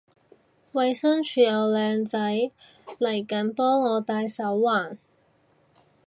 衛生署有靚仔嚟緊幫我戴手環